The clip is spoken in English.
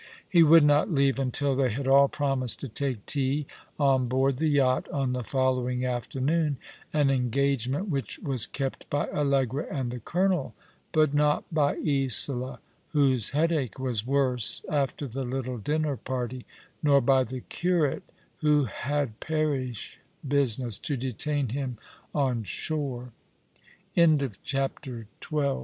'' He would not leave until they had all promised to take tea on board the yacht on the following afternoon, an engage ment which was kept by Allegra and the colonel ; but not by Isola, whose headache was worse after the little dinner party ; nor by the curate, who had j^arish business